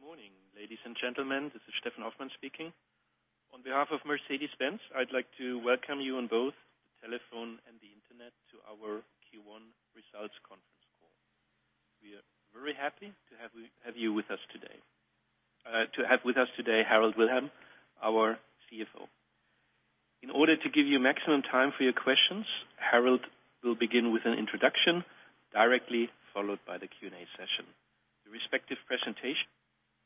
Good morning, ladies and gentlemen. This is Steffen Hoffmann speaking. On behalf of Mercedes-Benz, I'd like to welcome you on both telephone and the Internet to our Q1 results conference call. We are very happy to have you with us today, Harald Wilhelm, our CFO. In order to give you maximum time for your questions, Harald will begin with an introduction directly followed by the Q&A session. The respective presentation can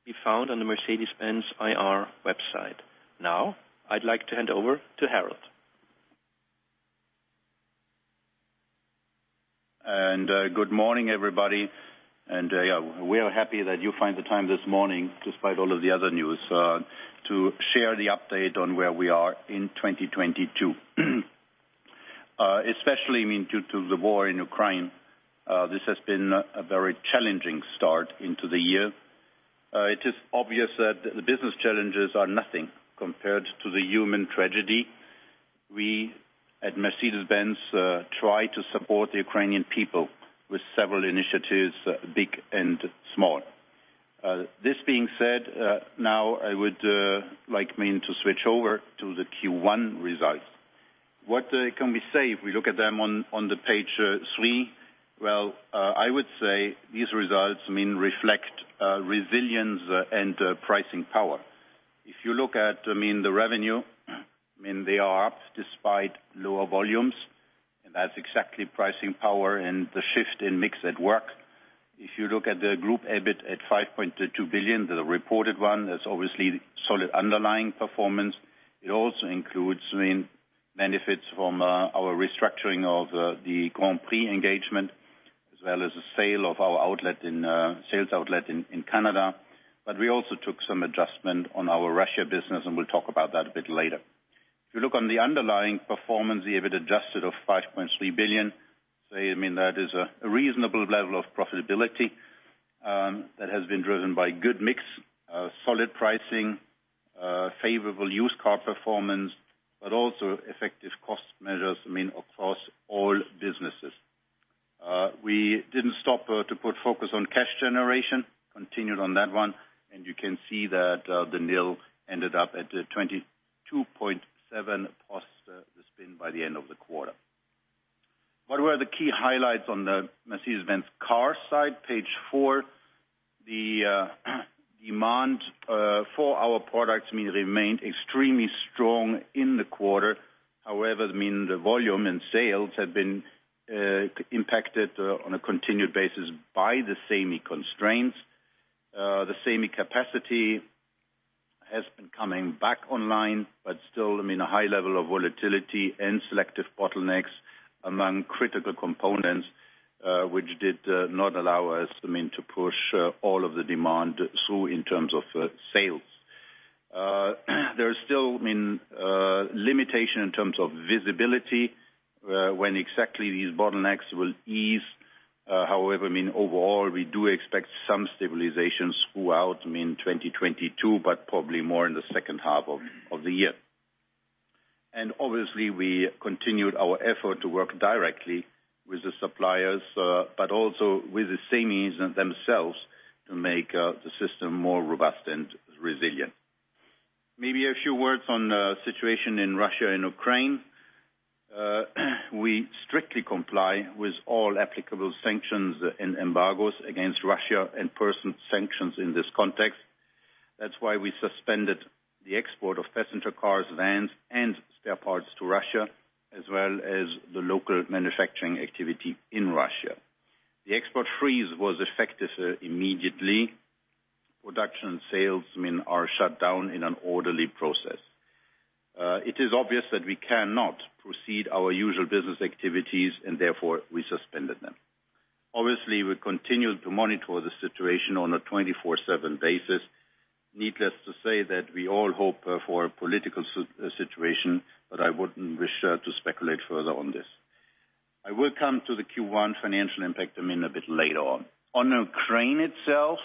be found on the Mercedes-Benz IR website. Now, I'd like to hand over to Harald. Good morning, everybody. We are happy that you find the time this morning despite all of the other news to share the update on where we are in 2022. Especially, I mean, due to the war in Ukraine, this has been a very challenging start into the year. It is obvious that the business challenges are nothing compared to the human tragedy. We at Mercedes-Benz try to support the Ukrainian people with several initiatives, big and small. This being said, now I would like, I mean, to switch over to the Q1 results. What can we say if we look at them on the page three? Well, I would say these results, I mean, reflect resilience and pricing power. If you look at, I mean, the revenue, I mean, they are up despite lower volumes, and that's exactly pricing power and the shift in mix at work. If you look at the Group EBIT at 5.2 billion, the reported one, that's obviously solid underlying performance. It also includes, I mean, benefits from our restructuring of the Grand Prix engagement, as well as the sale of our sales outlet in Canada. But we also took some adjustment on our Russia business, and we'll talk about that a bit later. If you look on the underlying performance, the EBIT adjusted of 5.3 billion, I mean, that is a reasonable level of profitability that has been driven by good mix, solid pricing, favorable used car performance, but also effective cost measures, I mean, across all businesses. We didn't stop to put focus on cash generation, continued on that one, and you can see that, the NIL ended up at 22.7 post the spin by the end of the quarter. What were the key highlights on the Mercedes-Benz car side? Page four. The demand for our products, I mean, remained extremely strong in the quarter. However, I mean, the volume in sales had been impacted on a continued basis by the semi constraints. The semi capacity has been coming back online, but still, I mean, a high level of volatility and selective bottlenecks among critical components, which did not allow us, I mean, to push all of the demand through in terms of sales. There is still, I mean, limitation in terms of visibility, when exactly these bottlenecks will ease. However, I mean, overall, we do expect some stabilizations throughout, I mean, 2022, but probably more in the second half of the year. Obviously, we continued our effort to work directly with the suppliers, but also with the semis themselves to make the system more robust and resilient. Maybe a few words on the situation in Russia and Ukraine. We strictly comply with all applicable sanctions and embargoes against Russia and personal sanctions in this context. That's why we suspended the export of passenger cars, vans, and spare parts to Russia, as well as the local manufacturing activity in Russia. The export freeze was effective immediately. Production sales, I mean, are shut down in an orderly process. It is obvious that we cannot proceed with our usual business activities, and therefore we suspended them. Obviously, we continue to monitor the situation on a 24/7 basis. Needless to say that we all hope for a political situation, but I wouldn't wish to speculate further on this. I will come to the Q1 financial impact, I mean, a bit later on. On Ukraine itself,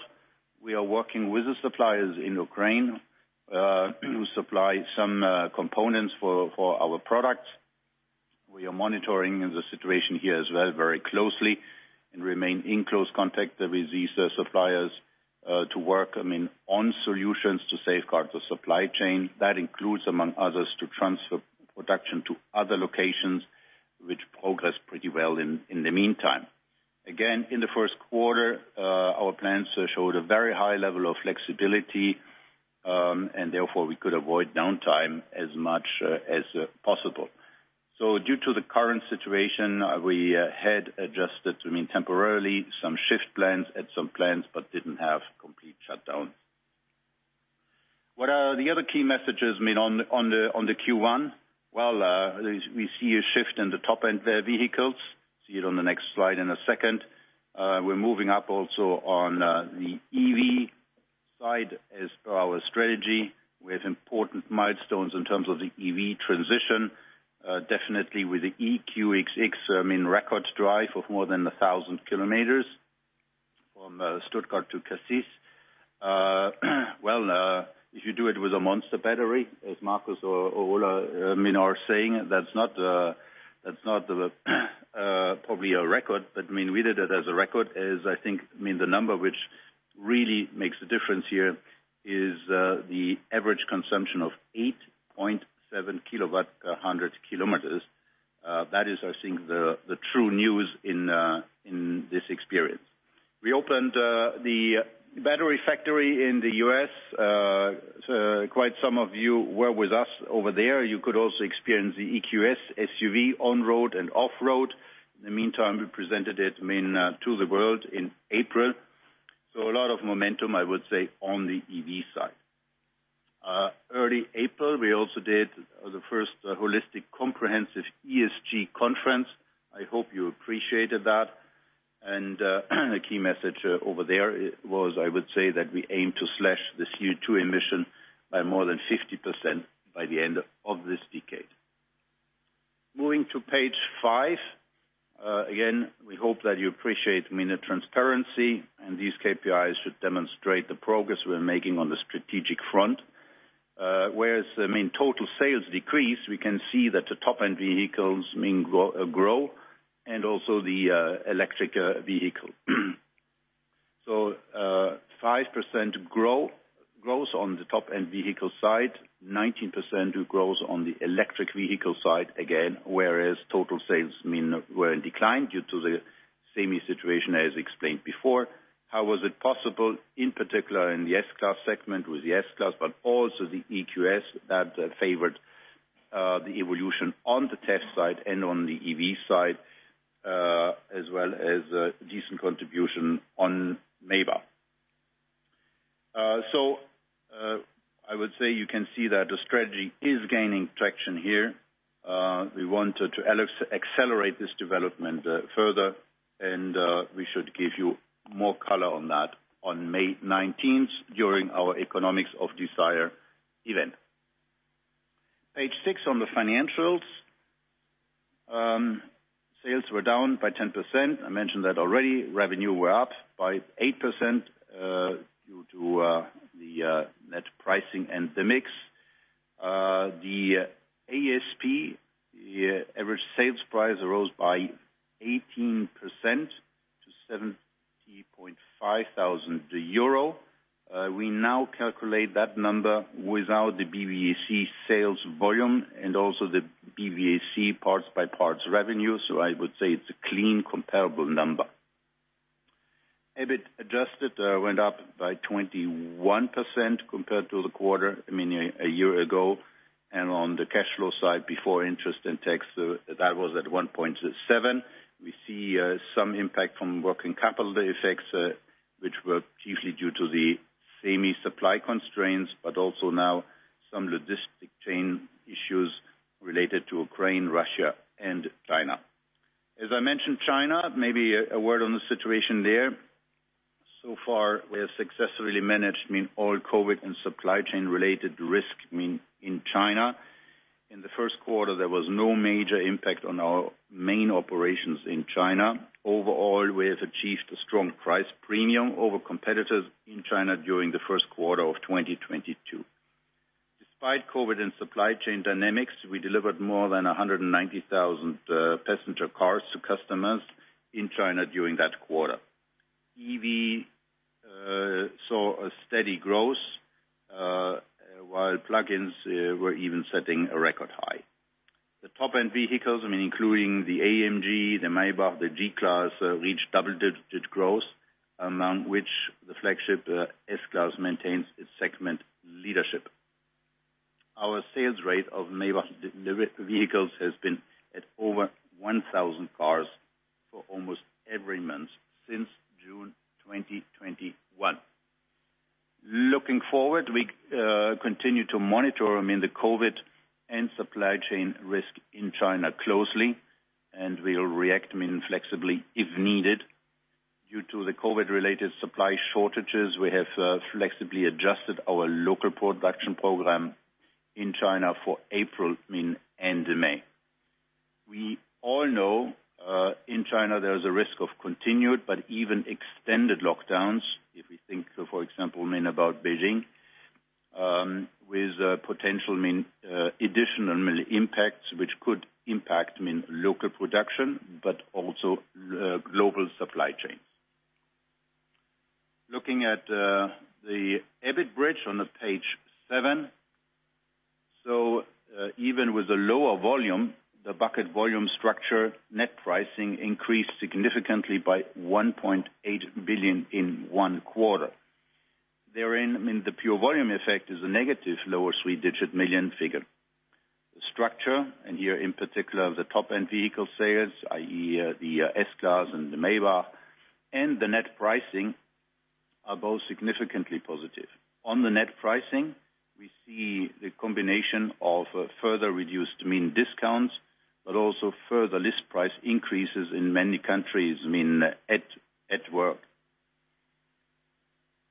we are working with the suppliers in Ukraine to supply some components for our products. We are monitoring the situation here as well very closely and remain in close contact with these suppliers to work, I mean, on solutions to safeguard the supply chain. That includes, among others, to transfer production to other locations, which progressed pretty well in the meantime. Again, in the first quarter, our plants showed a very high level of flexibility, and therefore we could avoid downtime as much as possible. Due to the current situation, we had adjusted, I mean, temporarily some shift plans at some plants, but didn't have complete shutdown. What are the other key messages, I mean, on the Q1? Well, we see a shift in the top-end vehicles. See it on the next slide in a second. We're moving up also on the EV side as per our strategy, with important milestones in terms of the EV transition, definitely with the EQXX. I mean, record drive of more than 1,000 km from Stuttgart to Cassis, if you do it with a monster battery, as Marcus or Ola are saying, that's not probably a record, but I mean, we did it as a record as I think. I mean, the number which really makes a difference here is the average consumption of 8.7 kWh/100 km. That is, I think the true news in this experience. We opened the battery factory in the U.S. Quite some of you were with us over there. You could also experience the EQS SUV on-road and off-road. In the meantime, we presented it, I mean, to the world in April. A lot of momentum, I would say, on the EV side. Early April, we also did the first holistic comprehensive ESG conference. I hope you appreciated that. A key message over there, it was, I would say that we aim to slash the CO2 emission by more than 50% by the end of this decade. Moving to page five. Again, we hope that you appreciate, I mean, the transparency, and these KPIs should demonstrate the progress we're making on the strategic front. Whereas the main total sales decrease, we can see that the top-end vehicles, I mean, grow, and also the electric vehicle. 5% growth on the top-end vehicle side, 19% growth on the electric vehicle side again, whereas total sales, I mean, were in decline due to the same situation as explained before. How was it possible, in particular in the S-Class segment, with the S-Class, but also the EQS that favored the evolution on the top-end side and on the EV side, as well as a decent contribution on Maybach. I would say you can see that the strategy is gaining traction here. We want to accelerate this development further, and we should give you more color on that on May 19th during our Economics of Desire event. Page six on the financials. Sales were down by 10%. I mentioned that already. Revenue was up by 8%, due to the net pricing and the mix. The ASP, the average sales price, rose by 18% to 70,500 euro. We now calculate that number without the BBAC sales volume and also the BBAC parts by parts revenue. So I would say it's a clean, comparable number. EBIT adjusted went up by 21% compared to the quarter, I mean, a year ago. On the cash flow side before interest and tax, that was at 1.7. We see some impact from working capital effects, which were chiefly due to the semi supply constraints, but also now some logistic chain issues related to Ukraine, Russia, and China. As I mentioned, China, maybe a word on the situation there. So far, we have successfully managed, I mean, all COVID and supply chain-related risk, I mean, in China. In the first quarter, there was no major impact on our main operations in China. Overall, we have achieved a strong price premium over competitors in China during the first quarter of 2022. Despite COVID and supply chain dynamics, we delivered more than 190,000 passenger cars to customers in China during that quarter. EV saw a steady growth, while plug-ins were even setting a record high. The top-end vehicles, I mean, including the AMG, the Maybach, the G-Class, reached double-digit growth, among which the flagship S-Class maintains its segment leadership. Our sales rate of Maybach vehicles has been at over 1,000 cars for almost every month since June 2021. Looking forward, we continue to monitor, I mean, the COVID and supply chain risk in China closely, and we'll react, I mean, flexibly if needed. Due to the COVID-related supply shortages, we have flexibly adjusted our local production program in China for April, I mean, and May. We all know in China, there is a risk of continued but even extended lockdowns, if we think of, for example, I mean, about Beijing, with potential, I mean, additional impacts which could impact, I mean, local production, but also global supply chains. Looking at the EBIT bridge on page seven. Even with a lower volume, the bucket volume structure, net pricing increased significantly by 1.8 billion in one quarter. Therein, I mean, the pure volume effect is a negative low three-digit million EUR figure. The structure, and here in particular, the top-end vehicle sales, i.e., the S-Class and the Maybach, and the net pricing are both significantly positive. On the net pricing, we see the combination of further reduced, I mean, discounts, but also further list price increases in many countries, I mean, at work.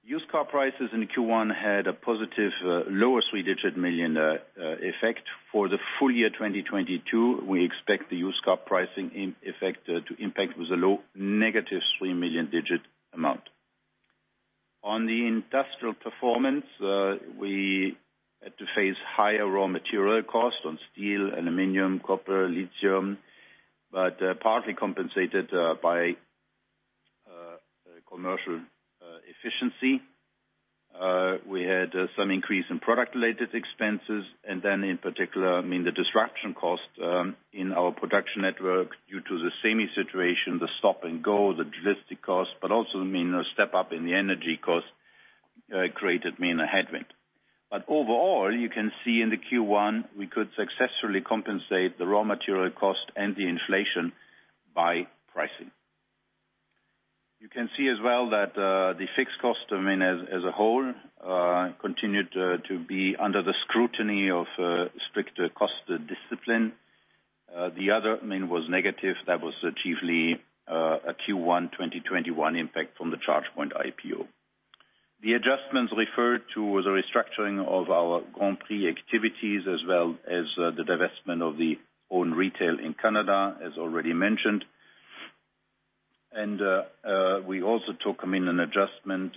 Used car prices in Q1 had a positive lower three-digit million EUR effect. For the full year 2022, we expect the used car pricing effect to impact with a low negative 3 million EUR. On the industrial performance, we had to face higher raw material costs on steel, aluminum, copper, lithium, but partly compensated by commercial efficiency. We had some increase in product-related expenses, and then in particular, I mean, the disruption cost in our production network due to the semi situation, the stop and go, the logistic cost, but also, I mean, a step up in the energy cost created headwinds. Overall, you can see in the Q1, we could successfully compensate the raw material cost and the inflation by pricing. You can see as well that the fixed costs, I mean, as a whole, continued to be under the scrutiny of stricter cost discipline. The other, I mean, was negative. That was chiefly a Q1 2021 impact from the ChargePoint IPO. The adjustments referred to the restructuring of our Grand Prix activities, as well as the divestment of our own retail in Canada, as already mentioned. We also took, I mean, an adjustment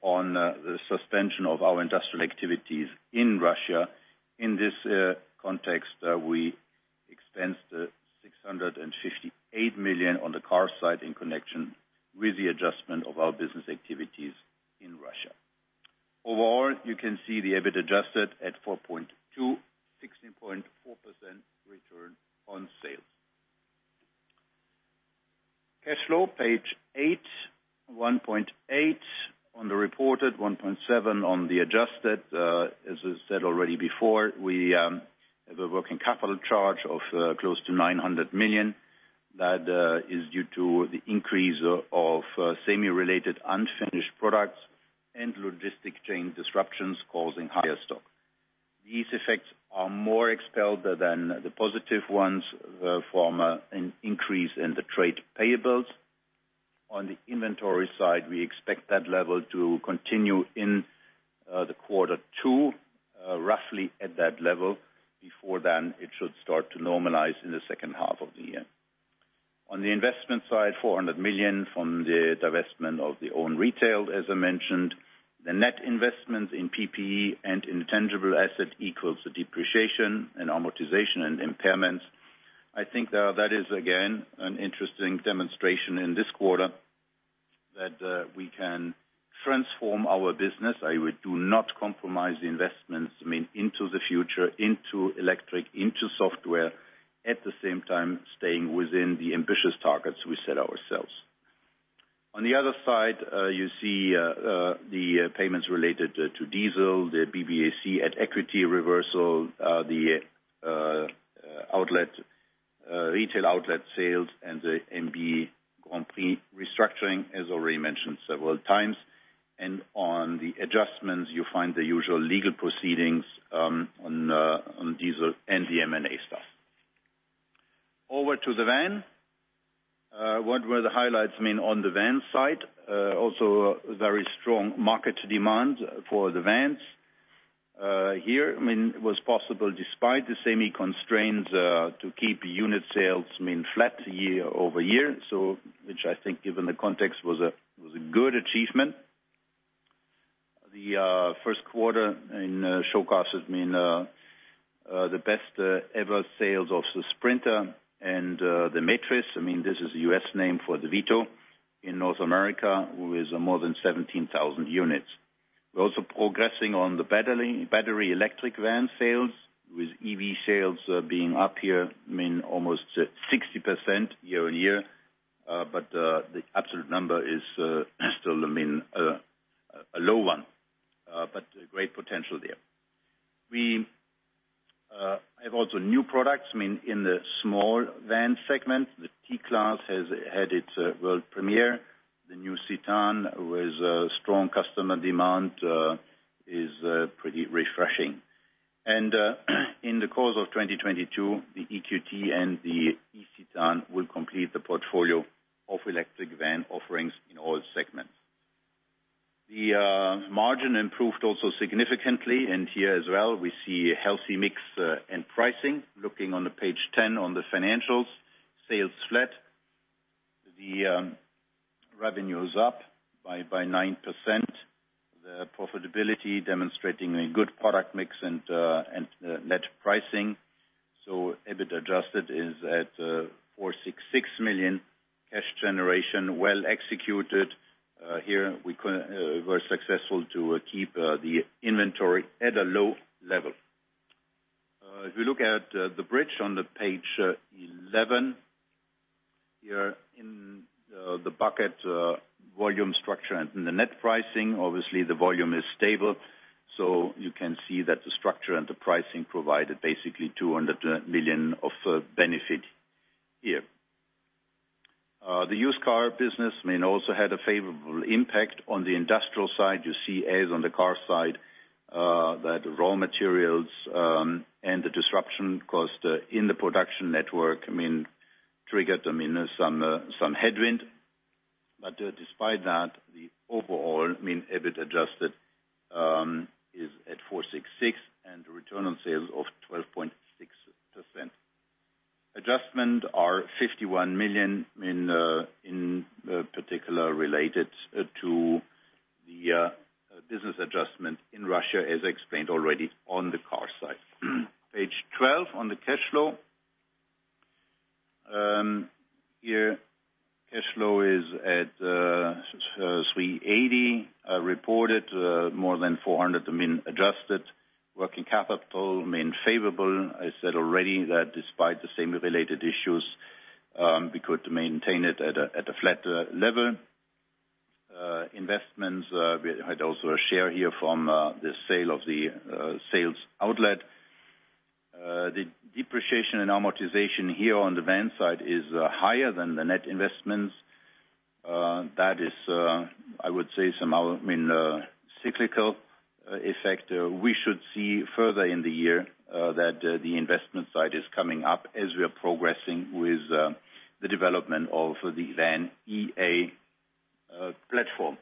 on the suspension of our industrial activities in Russia. In this context, we expensed 658 million on the car side in connection with the adjustment of our business activities in Russia. Overall, you can see the EBIT adjusted at 4.2 billion, 16.4% return on sales. Cash flow, page eight. 1.8 billion on the reported, 1.7 billion on the adjusted. As I said already before, we have a working capital charge of close to 900 million that is due to the increase of semiconductor-related unfinished products and logistics chain disruptions causing higher stock. These effects are more pronounced than the positive ones from an increase in the trade payables. On the inventory side, we expect that level to continue in the quarter two, roughly at that level. Before then, it should start to normalize in the second half of the year. On the investment side, 400 million from the divestment of the own retail, as I mentioned. The net investment in PPE and intangible asset equals the depreciation and amortization and impairments. I think that is again an interesting demonstration in this quarter that we can transform our business. I would do not compromise the investments, I mean, into the future, into electric, into software, at the same time, staying within the ambitious targets we set ourselves. On the other side, you see the payments related to diesel, the BBAC at equity reversal, the other retail outlet sales and the MB Grand Prix restructuring, as already mentioned several times. On the adjustments, you find the usual legal proceedings on diesel and the M&A stuff. Over to the van. What were the highlights, I mean, on the van side. Also very strong market demand for the vans. Here, I mean, it was possible, despite the semi constraints, to keep unit sales, I mean, flat year-over-year. Which I think, given the context, was a good achievement. The first quarter it showcases, I mean, the best ever sales of the Sprinter and the Metris. I mean, this is the U.S. name for the Vito in North America, with more than 17,000 units. We're also progressing on the battery electric van sales, with EV sales being up here, I mean, almost 60% year-over-year. The absolute number is still, I mean, a low one. Great potential there. We have also new products, I mean, in the small van segment. The T-Class has had its world premiere. The new Citan, with a strong customer demand, is pretty refreshing. In the course of 2022, the EQT and the eCitan will complete the portfolio of electric van offerings in all segments. The margin improved also significantly. Here as well, we see a healthy mix in pricing. Looking on the page 10 on the financials, sales flat, the revenue is up by 9%. The profitability demonstrating a good product mix and net pricing. EBIT adjusted is at 466 million. Cash generation well executed. Here we were successful to keep the inventory at a low level. If you look at the bridge on the page 11, here in the bucket volume structure and in the net pricing, obviously the volume is stable. You can see that the structure and the pricing provided basically 200 million of benefit here. The used car business, I mean, also had a favorable impact. On the industrial side, you see, as on the car side, that raw materials, and the disruption cost, in the production network, I mean, triggered, I mean, some headwind. Despite that, the overall, I mean, EBIT adjusted 6% and return on sales of 12.6%. Adjustments are 51 million in particular related to the business adjustment in Russia, as explained already on the car side. Page 12 on the cash flow. Here cash flow is at -380 million reported, more than 400 million, I mean, adjusted. Working capital remain favorable. I said already that despite the same related issues, we could maintain it at a flat level. Investments, we had also a share here from the sale of the sales outlet. The depreciation and amortization here on the van side is higher than the net investments. That is, I would say somehow, I mean, cyclical effect. We should see further in the year that the investment side is coming up as we are progressing with the development of the VAN.EA platform.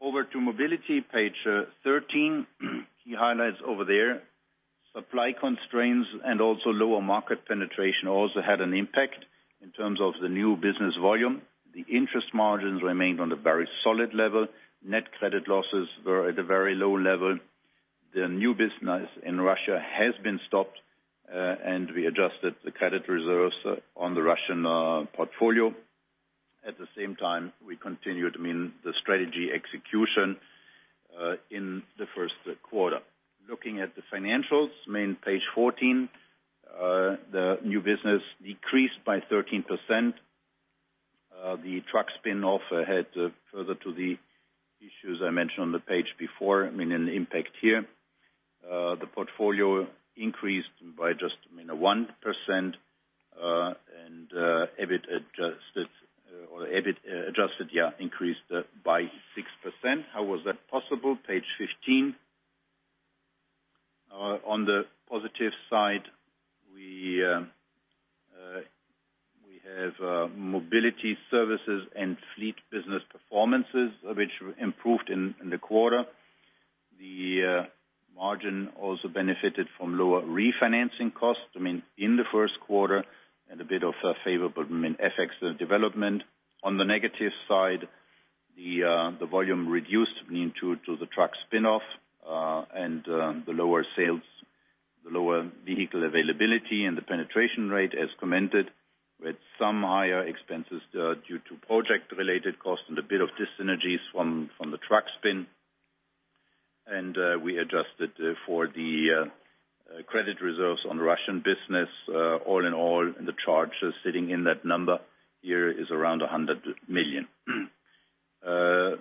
Over to mobility, page 13. Key highlights over there. Supply constraints and also lower market penetration also had an impact in terms of the new business volume. The interest margins remained on a very solid level. Net credit losses were at a very low level. The new business in Russia has been stopped, and we adjusted the credit reserves on the Russian portfolio. At the same time, we continued, I mean, the strategy execution in the first quarter. Looking at the financials, page 14. The new business decreased by 13%. The truck spin-off had further to the issues I mentioned on the page before, I mean, an impact here. The portfolio increased by just, I mean, 1%, and EBIT adjusted increased by 6%. How was that possible? Page 15. On the positive side, we have mobility services and fleet business performances which improved in the quarter. The margin also benefited from lower refinancing costs, I mean, in the first quarter, and a bit of a favorable, I mean, FX development. On the negative side, the volume reduced, I mean, due to the truck spin-off and the lower sales, the lower vehicle availability and the penetration rate as commented, with some higher expenses due to project-related costs and a bit of dyssynergies from the truck spin. We adjusted for the credit reserves on Russian business. All in all, the charges sitting in that number here is around 100 million.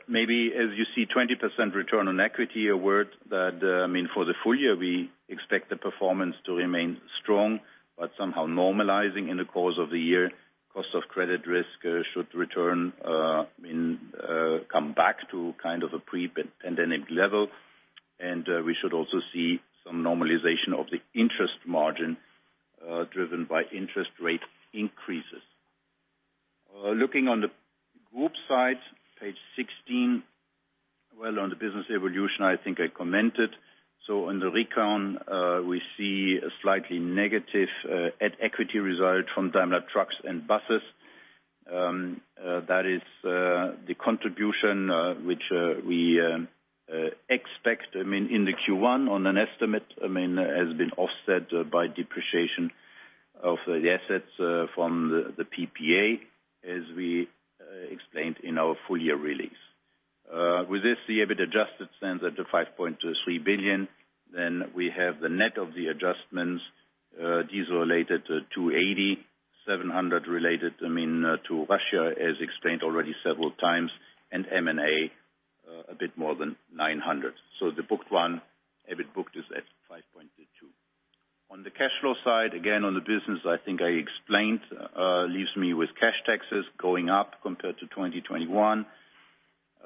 Maybe as you see 20% return on equity, a word that, I mean, for the full year, we expect the performance to remain strong, but somehow normalizing in the course of the year. Cost of credit risk should return, I mean, come back to kind of a pre-pandemic level. We should also see some normalization of the interest margin, driven by interest rate increases. Looking on the group side, page 16. Well, on the business evolution, I think I commented. On the reconciliation, we see a slightly negative at-equity result from Daimler Trucks and Buses. That is the contribution which we expect, I mean, in the Q1 on an estimate, I mean, has been offset by depreciation of the assets from the PPA, as we explained in our full-year release. With this, the EBIT adjusted stands at 5.3 billion. Then we have the net of the adjustments. These are related to 870 million related to Russia, as explained already several times, and M&A, a bit more than 900 million. The booked one, EBIT booked is at 5.2. On the cash flow side, again, on the business, I think I explained, leaves me with cash taxes going up compared to 2021.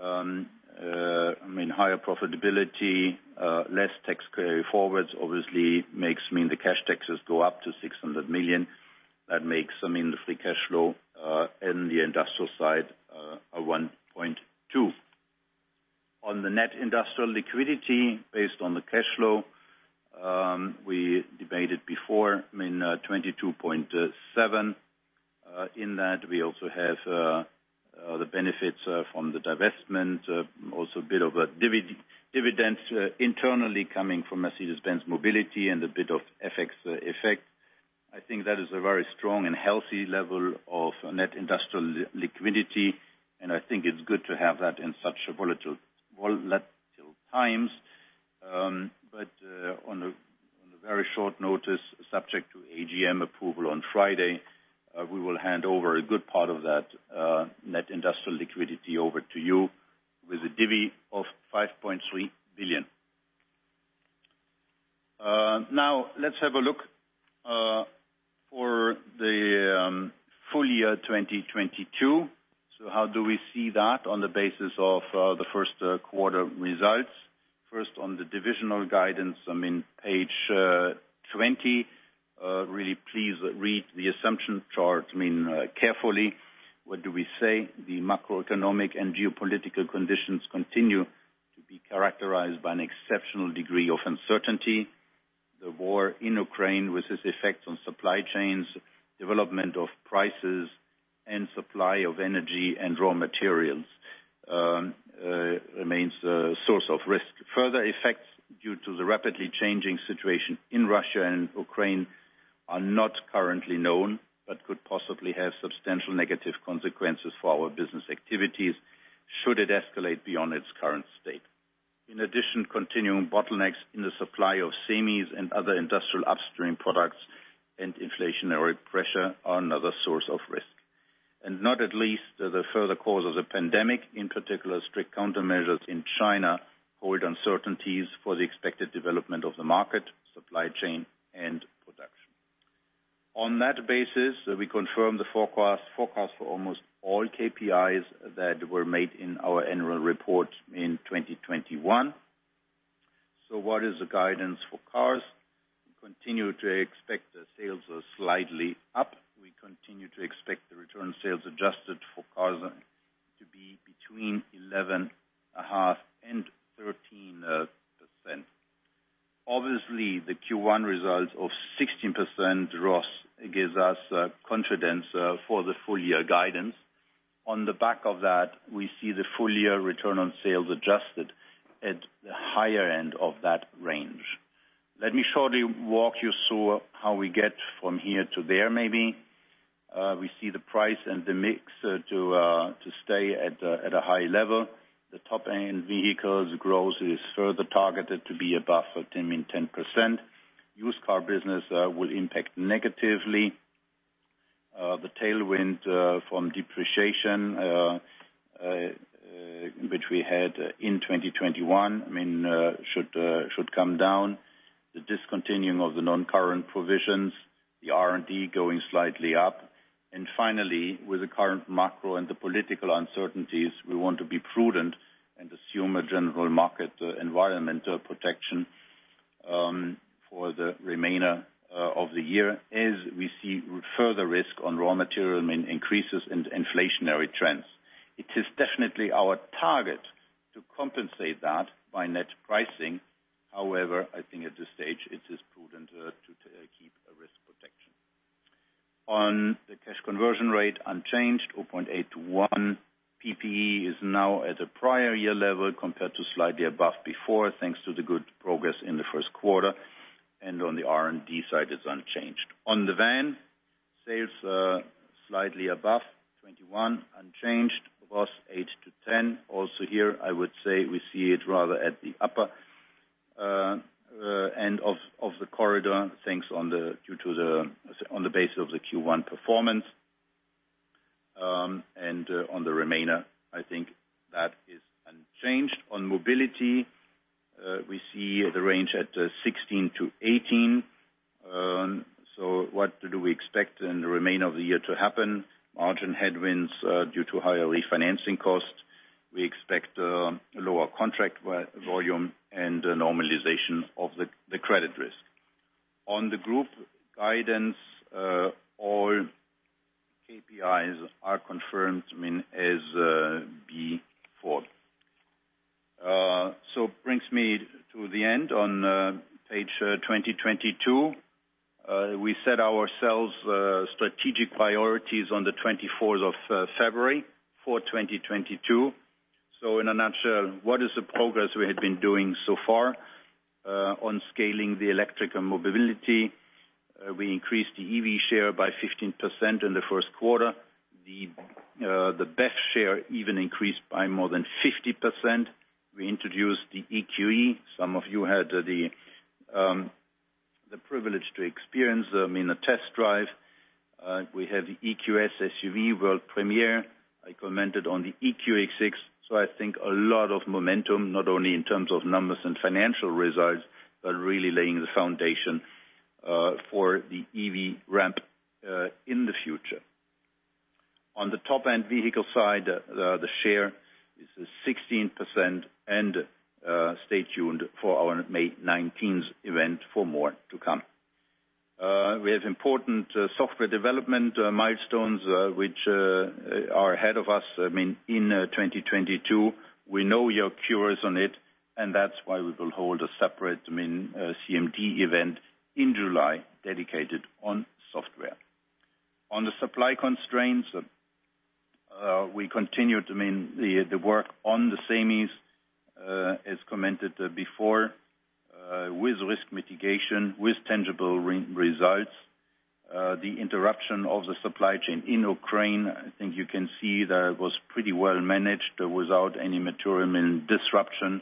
I mean, higher profitability, less tax carry forwards obviously makes, I mean, the cash taxes go up to 600 million. That makes, I mean, the free cash flow in the industrial side, a 1.2. On the Net Industrial Liquidity based on the cash flow, we debated before, I mean, 22.7. In that, we also have the benefits from the divestment, also a bit of a dividend internally coming from Mercedes-Benz Mobility and a bit of FX effect. I think that is a very strong and healthy level of Net Industrial Liquidity, and I think it's good to have that in such a volatile times. On a very short notice, subject to AGM approval on Friday, we will hand over a good part of that net industrial liquidity over to you with a dividend of 5.3 billion. Now let's have a look for the full year 2022. How do we see that on the basis of the first quarter results? First, on the divisional guidance, I mean, page 20. Really please read the assumption chart, I mean, carefully. What do we say? The macroeconomic and geopolitical conditions continue to be characterized by an exceptional degree of uncertainty. The war in Ukraine, with its effects on supply chains, development of prices, and supply of energy and raw materials, remains a source of risk. Further effects due to the rapidly changing situation in Russia and Ukraine are not currently known, but could possibly have substantial negative consequences for our business activities should it escalate beyond its current state. In addition, continuing bottlenecks in the supply of semis and other industrial upstream products and inflationary pressure are another source of risk. Not least the further course of the pandemic, in particular, strict countermeasures in China, hold uncertainties for the expected development of the market, supply chain and production. On that basis, we confirm the forecast for almost all KPIs that were made in our annual report in 2021. What is the guidance for cars? We continue to expect the sales are slightly up. We continue to expect the return on sales adjusted for cars to be between 11.5 and 13%. Obviously, the Q1 results of 16% ROS gives us confidence for the full year guidance. On the back of that, we see the full year return on sales adjusted at the higher end of that range. Let me shortly walk you through how we get from here to there, maybe. We see the price and the mix to stay at a high level. The top-end vehicles growth is further targeted to be above 10, I mean 10%. Used car business will impact negatively. The tailwind from depreciation which we had in 2021, I mean, should come down. The discontinuation of the non-current provisions, the R&D going slightly up. Finally, with the current macro and the political uncertainties, we want to be prudent and assume a general market environmental protection for the remainder of the year as we see further risk on raw material, I mean, increases in inflationary trends. It is definitely our target to compensate that by net pricing. However, I think at this stage it is prudent to keep a risk protection. On the cash conversion rate unchanged, 0.81. PPE is now at a prior year level compared to slightly above before, thanks to the good progress in the first quarter. On the R&D side, it's unchanged. On the Vans, sales are slightly above 21, unchanged. ROS 8%-10%. Here, I would say we see it rather at the upper end of the corridor, thanks to the basis of the Q1 performance, and on the remainder, I think that is unchanged. On mobility, we see the range at 16%-18%. What do we expect in the remainder of the year to happen? Margin headwinds due to higher refinancing costs. We expect lower contract volume and a normalization of the credit risk. On the group guidance, all KPIs are confirmed, I mean, as before. Brings me to the end on page 22. We set ourselves strategic priorities on the 20th of February for 2022. In a nutshell, what is the progress we have been doing so far on scaling the electric and mobility? We increased the EV share by 15% in the first quarter. The BEV share even increased by more than 50%. We introduced the EQE. Some of you had the privilege to experience them in a test drive. We have the EQS SUV world premiere. I commented on the EQA SUV. I think a lot of momentum, not only in terms of numbers and financial results, but really laying the foundation for the EV ramp in the future. On the top-end vehicle side, the share is 16% and stay tuned for our May 19 event for more to come. We have important software development milestones which are ahead of us, I mean, in 2022. We know you're curious on it, and that's why we will hold a separate, I mean, CMD event in July dedicated on software. On the supply constraints, we continue to monitor the work on the semis, as commented before, with risk mitigation, with tangible results. The interruption of the supply chain in Ukraine, I think you can see that it was pretty well managed without any material, I mean, disruption.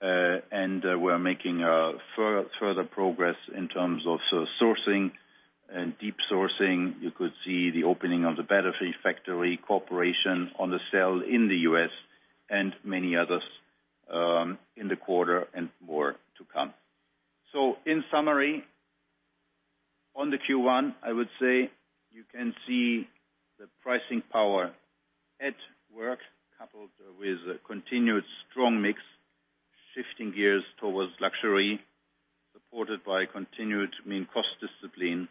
We're making further progress in terms of sourcing and deep sourcing. You could see the opening of the battery factory, cooperation on the cell in the U.S., and many others, in the quarter and more to come. In summary, on the Q1, I would say you can see the pricing power at work, coupled with a continued strong mix. Shifting gears towards luxury, supported by continued lean cost discipline,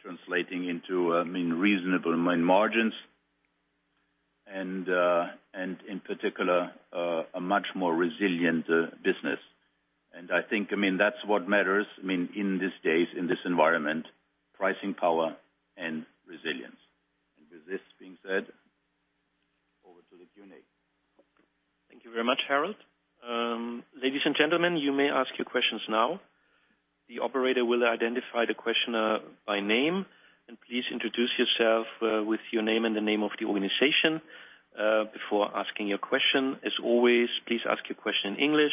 translating into, I mean, reasonable margins and in particular, a much more resilient business. I think, I mean, that's what matters, I mean, in these days, in this environment, pricing power and resilience. With this being said, over to the Q&A. Thank you very much, Harald. Ladies and gentlemen, you may ask your questions now. The operator will identify the questioner by name, and please introduce yourself, with your name and the name of the organization, before asking your question. As always, please ask your question in English,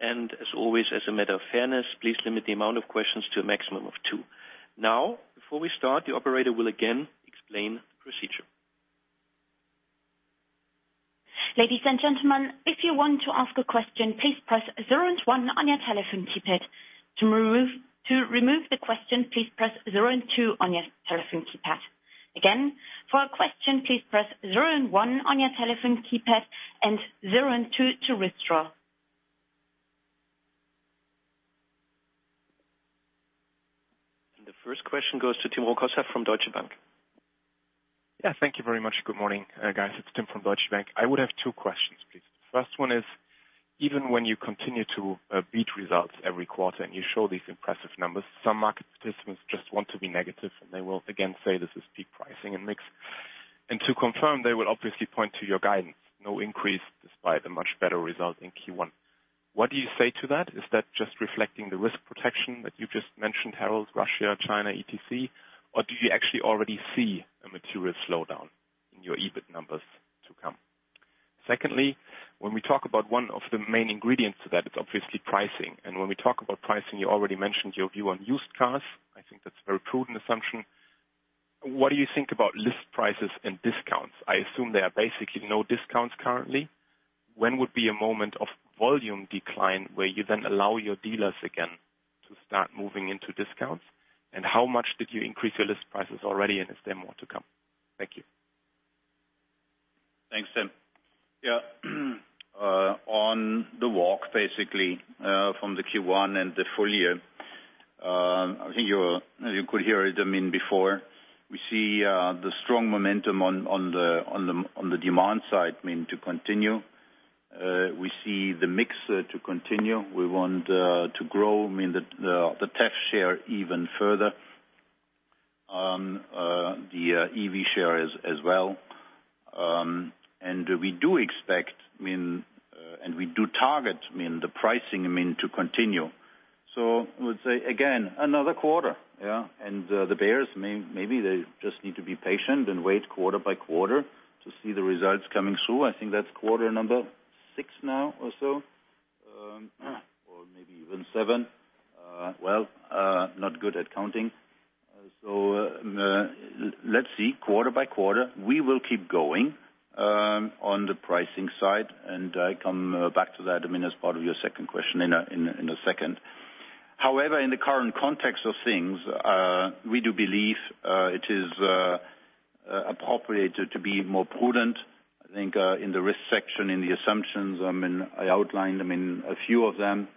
and as always, as a matter of fairness, please limit the amount of questions to a maximum of two. Now, before we start, the operator will again explain the procedure. Ladies and gentlemen, if you want to ask a question, please press zero and one on your telephone keypad. To remove the question, please press zero and two on your telephone keypad. Again, for a question, please press zero and one on your telephone keypad and zero and two to withdraw. The first question goes to Tim Rokossa from Deutsche Bank. Yeah, thank you very much. Good morning, guys. It's Tim from Deutsche Bank. I would have two questions, please. First one is, even when you continue to beat results every quarter, and you show these impressive numbers, some market participants just want to be negative, and they will again say, this is peak pricing and mix. To confirm, they will obviously point to your guidance, no increase despite a much better result in Q1. What do you say to that? Is that just reflecting the risk protection that you just mentioned, Harald, Russia, China, etc., or do you actually already see a material slowdown in your EBIT numbers to come? Secondly, when we talk about one of the main ingredients to that is obviously pricing. When we talk about pricing, you already mentioned your view on used cars. I think that's a very prudent assumption. What do you think about list prices and discounts? I assume there are basically no discounts currently. When would be a moment of volume decline where you then allow your dealers again to start moving into discounts? How much did you increase your list prices already, and is there more to come? Thank you. Thanks, Tim. Yeah. On the walk, basically, from the Q1 and the full year, I think you could hear it, I mean, before. We see the strong momentum on the demand side, I mean, to continue. We see the mix to continue. We want to grow, I mean, the tech share even further, the EV share as well. And we do expect, I mean, and we do target, I mean, the pricing, I mean, to continue. I would say again, another quarter, yeah. The bears, maybe they just need to be patient and wait quarter by quarter to see the results coming through. I think that's quarter number six now or so, or maybe even seven. Well, not good at counting. Let's see, quarter by quarter, we will keep going on the pricing side. I come back to that, I mean, as part of your second question in a second. However, in the current context of things, we do believe it is appropriate to be more prudent, I think, in the risk section, in the assumptions. I mean, I outlined, I mean, a few of them.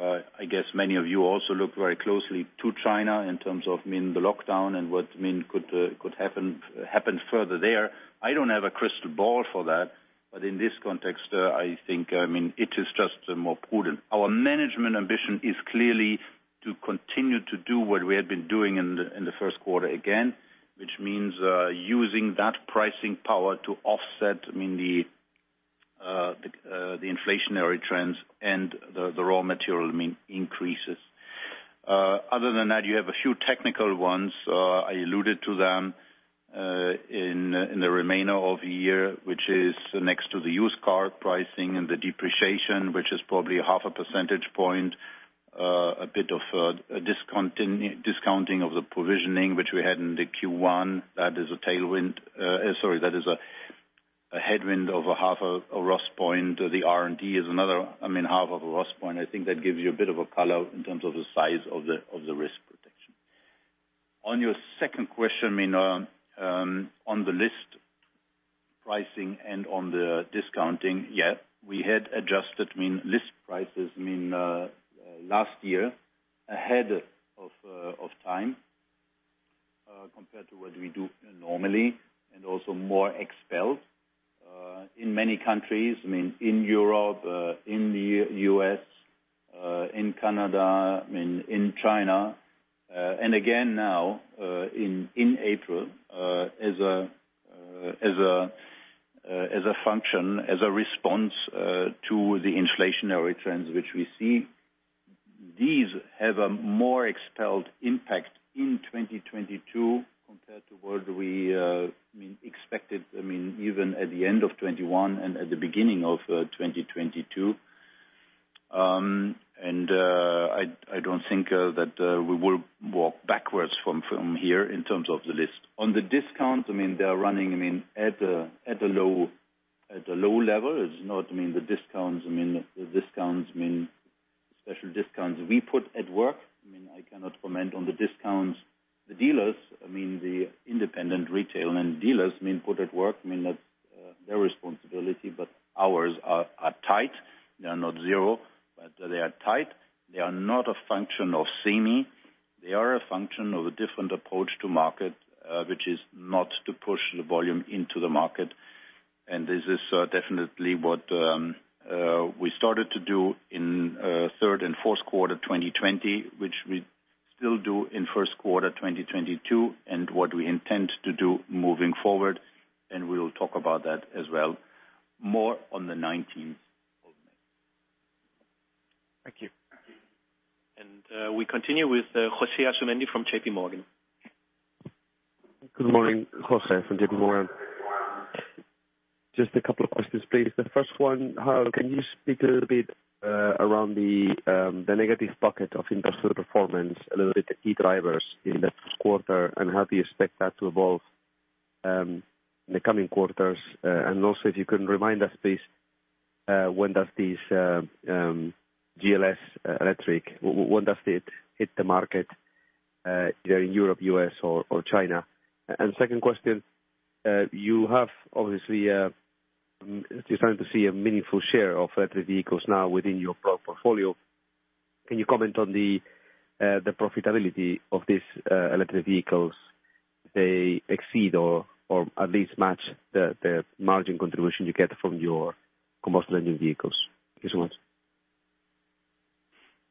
I guess many of you also look very closely to China in terms of, I mean, the lockdown and what, I mean, could happen further there. I don't have a crystal ball for that, but in this context, I think, I mean, it is just more prudent. Our management ambition is clearly to continue to do what we had been doing in the first quarter again, which means using that pricing power to offset, I mean, the inflationary trends and the raw material, I mean, increases. Other than that, you have a few technical ones. I alluded to them in the remainder of the year, which is next to the used car pricing and the depreciation, which is probably half a percentage point, a bit of a discounting of the provisioning, which we had in the Q1. That is a tailwind. That is a headwind of half a ROS point. The R&D is another, I mean, half of a ROS point. I think that gives you a bit of a color in terms of the size of the risk protection. On your second question, I mean, on the list pricing and on the discounting, yeah, we had adjusted, I mean, list prices, I mean, last year ahead of time, compared to what we do normally, and also more pronounced in many countries, I mean, in Europe, in the U.S., in Canada, I mean, in China, and again now in April, as a response to the inflationary trends which we see. These have a more pronounced impact in 2022 compared to what we expected, I mean, even at the end of 2021 and at the beginning of 2022. I don't think that we will walk backwards from here in terms of the list. On the discount, I mean, they are running, I mean, at a low level. It's not, I mean, the discounts we put at work. I mean, I cannot comment on the discounts the dealers, I mean, the independent retailers and dealers may put at work. I mean, that's their responsibility, but ours are tight. They are not zero, but they are tight. They are not a function of semi. They are a function of a different approach to market, which is not to push the volume into the market. This is definitely what we started to do in third and fourth quarter 2020, which we still do in first quarter 2022, and what we intend to do moving forward, and we'll talk about that as well, more on the 19th of May. Thank you. Thank you. We continue with José Asumendi from J.P. Morgan. Good morning, José Asumendi from J.P. Morgan. Just a couple of questions, please. The first one, Harald Wilhelm, can you speak a little bit around the negative bucket of industrial performance, a little bit the key drivers in the first quarter, and how do you expect that to evolve in the coming quarters? And also, if you can remind us, please, when does this GLS electric hit the market, either in Europe, U.S. or China? And second question, you have obviously starting to see a meaningful share of electric vehicles now within your product portfolio. Can you comment on the profitability of these electric vehicles? Do they exceed or at least match the margin contribution you get from your combustion engine vehicles? Thank you so much.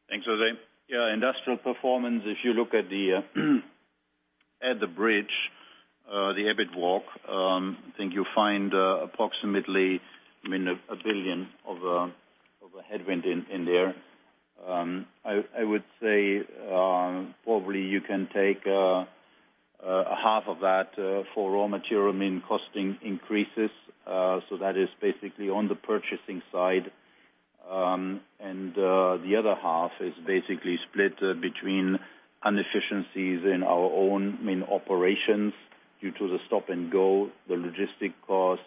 Thanks, José. Yeah, industrial performance, if you look at the bridge, the EBIT walk, I think you'll find approximately 1 billion of a headwind in there. I would say probably you can take half of that for raw material costing increases. That is basically on the purchasing side. The other half is basically split between inefficiencies in our own operations due to the stop-and-go, the logistic cost,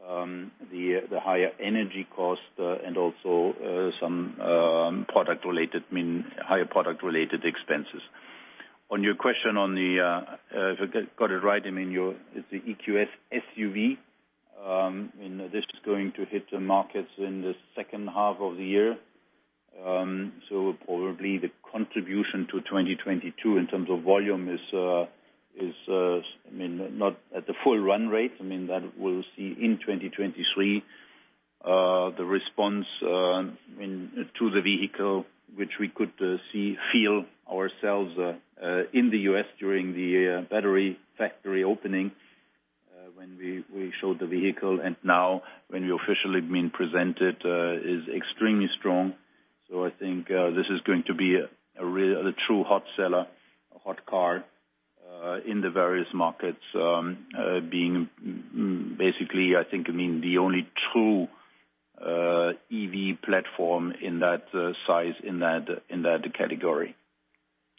the higher energy cost, and also some higher product-related expenses. On your question, if I got it right, it's the EQS SUV. This is going to hit the markets in the second half of the year. Probably the contribution to 2022 in terms of volume is, I mean, not at the full run rate. I mean, that we'll see in 2023. The response, I mean, to the vehicle, which we could see, feel ourselves in the U.S. during the battery factory opening, when we showed the vehicle and now when we officially, I mean, present it, is extremely strong. I think this is going to be the true hot seller, a hot car in the various markets, being basically, I think, I mean, the only true EV platform in that size, in that category.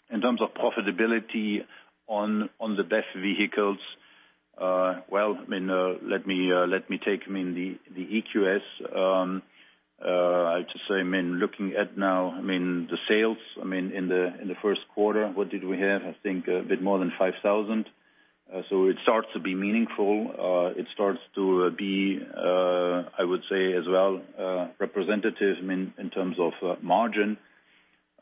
In terms of profitability on the BEV vehicles, well, I mean, let me take, I mean, the EQS. I'll just say, I mean, looking at now, I mean, the sales, I mean, in the first quarter, what did we have? I think a bit more than 5,000. It starts to be meaningful. It starts to be, I would say as well, representative, I mean, in terms of margin.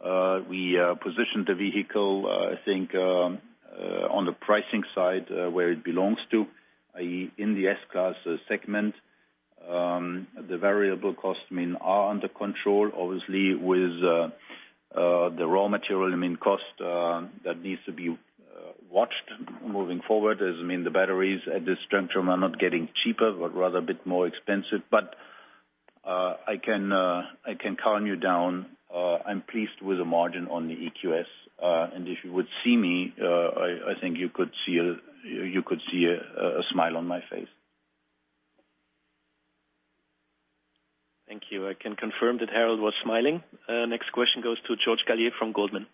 We positioned the vehicle, I think, on the pricing side, where it belongs to, i.e., in the S-Class segment. The variable costs, I mean, are under control, obviously, with the raw material, I mean, cost, that needs to be watched moving forward. I mean, the batteries at this juncture are not getting cheaper, but rather a bit more expensive. I can calm you down. I'm pleased with the margin on the EQS. If you would see me, I think you could see a smile on my face. Thank you. I can confirm that Harald was smiling. Next question goes to George Galliers from Goldman.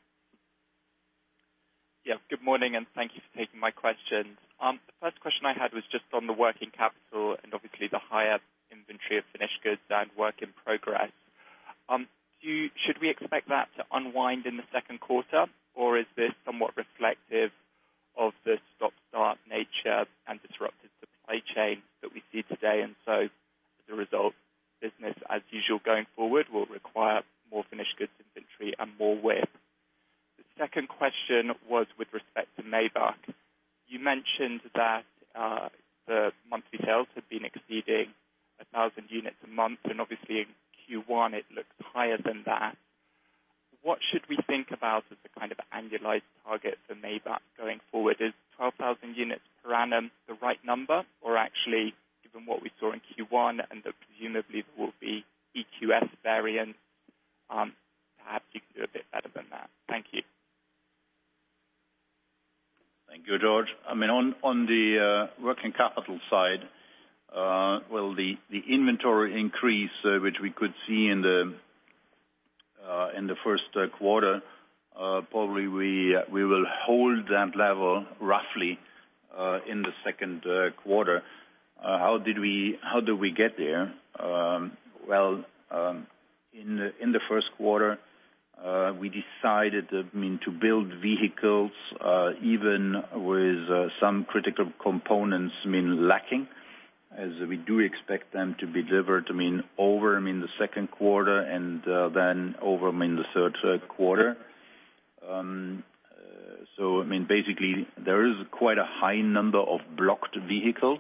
Yeah. Good morning, and thank you for taking my questions. The first question I had was just on the working capital and obviously the higher inventory of finished goods and work in progress. Should we expect that to unwind in the second quarter, or is this somewhat reflective of the stop-start nature and disrupted supply chain that we see today? The result business as usual going forward will require more finished goods inventory and more WIP. The second question was with respect to Maybach. You mentioned that the monthly sales had been exceeding 1,000 units a month, and obviously in Q1, it looks higher than that. What should we think about as a kind of annualized target for Maybach going forward? Is 12,000 units per annum the right number? Actually, given what we saw in Q1 and presumably there will be EQS variants, perhaps you could do a bit better than that. Thank you. Thank you, George. I mean, on the working capital side, well, the inventory increase, which we could see in the first quarter, probably we will hold that level roughly in the second quarter. How do we get there? Well, in the first quarter, we decided, I mean, to build vehicles even with some critical components lacking as we do expect them to be delivered, I mean, over the second quarter and then over the third quarter. So I mean basically there is quite a high number of blocked vehicles.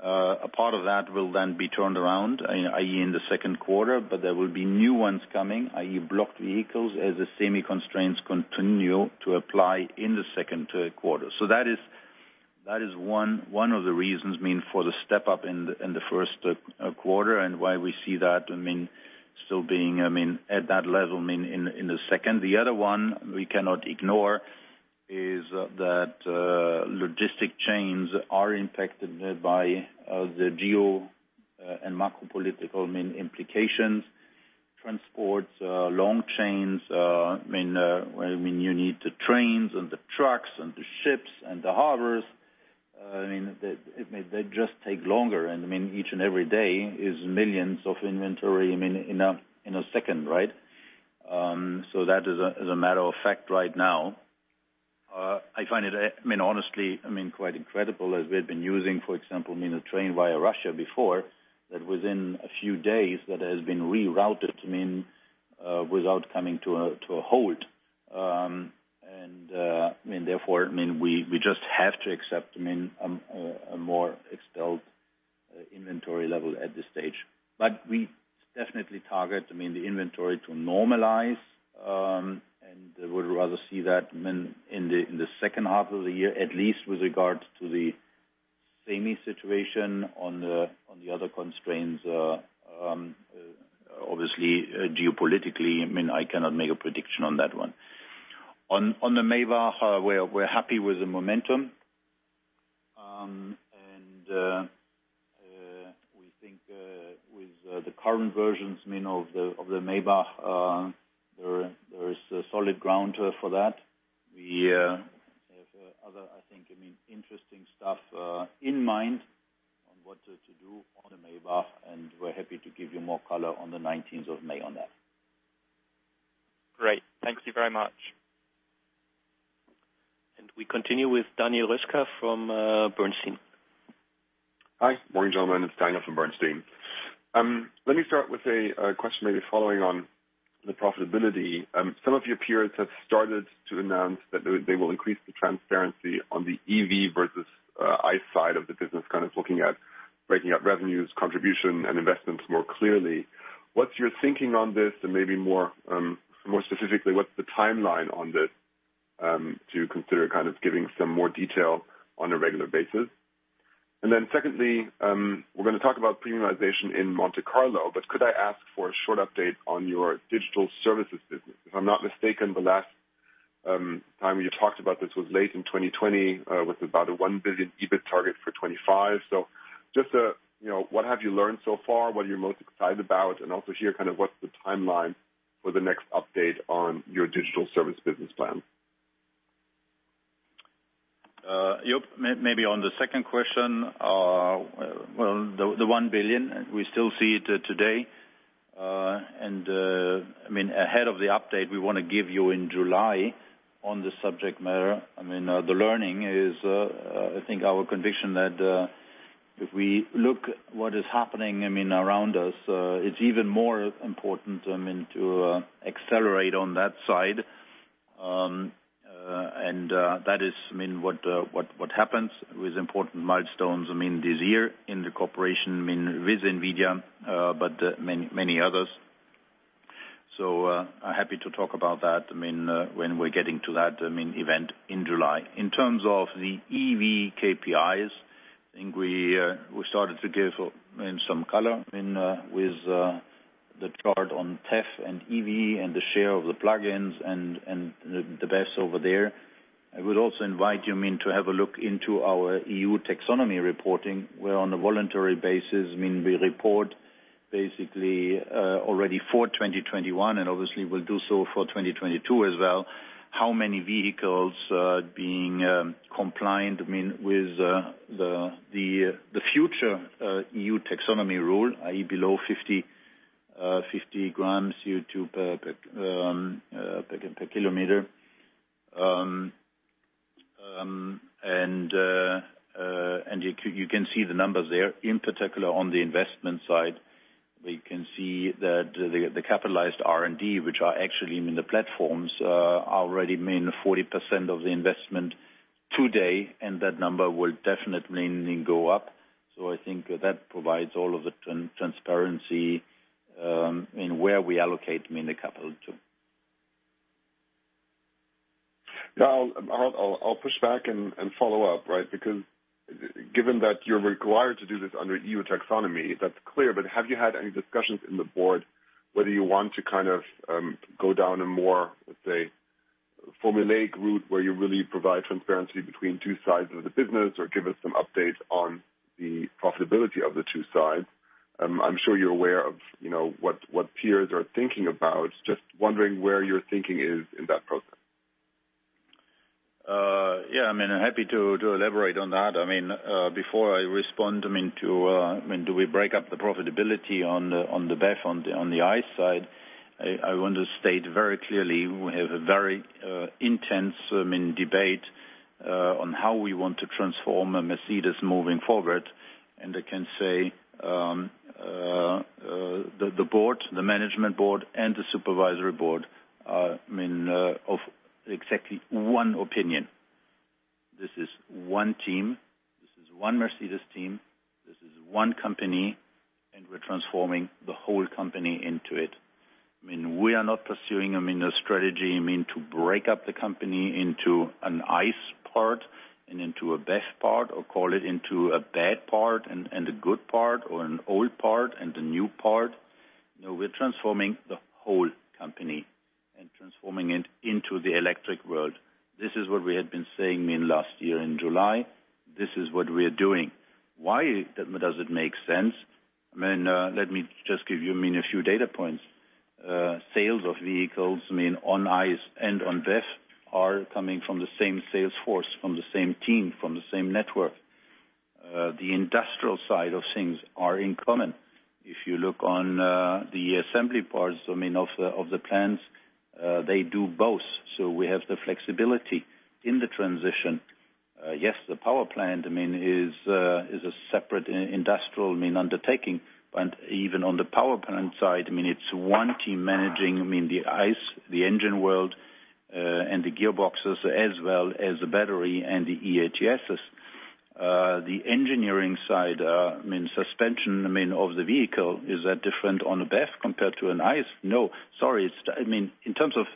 A part of that will then be turned around, i.e., in the second quarter, but there will be new ones coming, i.e., blocked vehicles as the semi constraints continue to apply in the second quarter. That is one of the reasons, I mean, for the step up in the first quarter and why we see that, I mean, still being at that level, I mean, in the second. The other one we cannot ignore is that logistics chains are impacted by the geopolitical and macroeconomic, I mean, implications. Transport long chains, I mean, you need the trains and the trucks and the ships and the harbors. I mean, they just take longer and I mean, each and every day is millions in inventory, I mean, in a second, right? So that is as a matter of fact right now. I find it, I mean, honestly, I mean, quite incredible as we've been using, for example, I mean, a train via Russia before, that within a few days that has been rerouted, I mean, without coming to a halt. Therefore, I mean, we just have to accept, I mean, a more expanded inventory level at this stage. We definitely target, I mean, the inventory to normalize, and would rather see that, I mean, in the second half of the year, at least with regard to the semi situation on the other constraints, obviously geopolitically, I mean, I cannot make a prediction on that one. On the Maybach, we're happy with the momentum. We think with the current versions, I mean, of the Maybach, there is a solid ground for that. We have other, I think, I mean, interesting stuff in mind on what to do on the Maybach, and we're happy to give you more color on the 19th of May on that. Great. Thank you very much. We continue with Daniel Roeska from Bernstein. Hi. Morning, gentlemen. It's Daniel Roeska from Bernstein. Let me start with a question maybe following on the profitability. Some of your peers have started to announce that they will increase the transparency on the EV versus ICE side of the business, kind of looking at breaking out revenues, contribution, and investments more clearly. What's your thinking on this? Maybe more specifically, what's the timeline on this to consider kind of giving some more detail on a regular basis? Then secondly, we're going to talk about premiumization in Monte Carlo, but could I ask for a short update on your digital services business? If I'm not mistaken, the last time you talked about this was late in 2020 with about a 1 billion EBIT target for 2025. Just a, you know, what have you learned so far, what are you most excited about, and also hear kind of what's the timeline for the next update on your digital service business plan. Maybe on the second question, well, the 1 billion we still see today. I mean, ahead of the update we want to give you in July on the subject matter, I mean, the learning is, I think our conviction that, if we look what is happening, I mean, around us, it's even more important, I mean, to accelerate on that side. That is what happens with important milestones this year in the cooperation with NVIDIA, but many, many others. I'm happy to talk about that, I mean, when we're getting to that, I mean, event in July. In terms of the EV KPIs, I think we started to give, I mean, some color, I mean, with the chart on xEV and EV and the share of the plugins and the BEV over there. I would also invite you, I mean, to have a look into our EU taxonomy reporting, where on a voluntary basis, I mean, we report basically already for 2021, and obviously we'll do so for 2022 as well, how many vehicles are being compliant, I mean, with the future EU taxonomy rule, i.e., below 50 g CO2 per kilometer. You can see the numbers there. In particular, on the investment side, we can see that the capitalized R&D, which are actually, I mean, the platforms, are already, I mean, 40% of the investment today, and that number will definitely go up. So I think that provides all of the transparency in where we allocate, I mean, the capital to. Yeah, I'll push back and follow up, right? Because given that you're required to do this under EU taxonomy, that's clear. But have you had any discussions in the board whether you want to kind of go down a more, let's say, formulate route where you really provide transparency between two sides of the business or give us some updates on the profitability of the two sides. I'm sure you're aware of, you know, what peers are thinking about. Just wondering where your thinking is in that process. Yeah, I mean, I'm happy to elaborate on that. I mean, before I respond, I mean, do we break up the profitability on the BEV on the ICE side? I want to state very clearly we have a very intense debate on how we want to transform a Mercedes moving forward. I can say the board, the management board and the supervisory board are of exactly one opinion. This is one team, this is one Mercedes team, this is one company, and we're transforming the whole company into it. I mean, we are not pursuing, I mean, a strategy, I mean, to break up the company into an ICE part and into a BEV part or call it into a bad part and a good part or an old part and a new part. No, we're transforming the whole company and transforming it into the electric world. This is what we had been saying in last year in July. This is what we are doing. Why does it make sense? I mean, let me just give you, I mean, a few data points. Sales of vehicles, I mean, on ICE and on BEV are coming from the same sales force, from the same team, from the same network. The industrial side of things are in common. If you look on the assembly parts, I mean, of the plants, they do both. We have the flexibility in the transition. Yes, the power plant, I mean, is a separate industrial undertaking, but even on the power plant side, I mean, it's one team managing, I mean, the ICE, the engine world, and the gearboxes as well as the battery and the eATS. The engineering side, I mean, suspension of the vehicle, is that different on a BEV compared to an ICE? No. Sorry. I mean, in terms of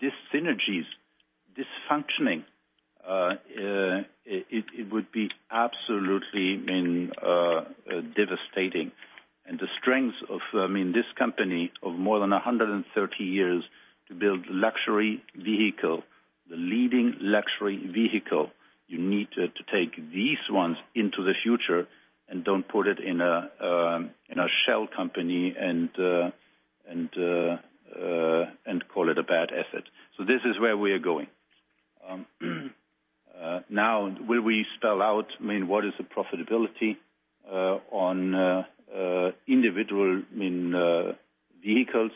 dis-synergies, dysfunctions, it would be absolutely, I mean, devastating. The strength of, I mean, this company of more than 130 years to build luxury vehicle, the leading luxury vehicle, you need to take these ones into the future and don't put it in a shell company and call it a bad asset. This is where we are going. Now, will we spell out, I mean, what is the profitability on individual, I mean, vehicles?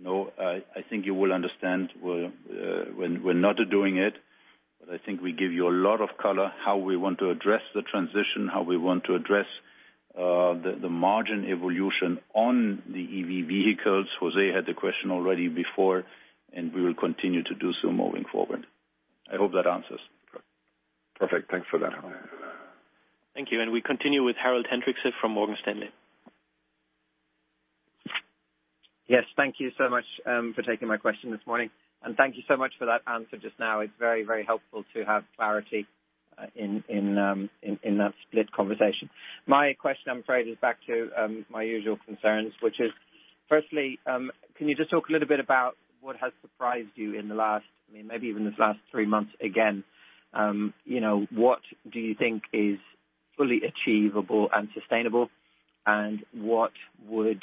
No, I think you will understand we're not doing it. I think we give you a lot of color, how we want to address the transition, how we want to address the margin evolution on the EV vehicles. José had the question already before, and we will continue to do so moving forward. I hope that answers. Perfect. Thanks for that. Thank you. We continue with Harald Hendrikse from Morgan Stanley. Yes, thank you so much for taking my question this morning, and thank you so much for that answer just now. It's very, very helpful to have clarity in that split conversation. My question, I'm afraid, is back to my usual concerns, which is, firstly, can you just talk a little bit about what has surprised you in the last, I mean, maybe even this last three months again? You know, what do you think is fully achievable and sustainable? And what would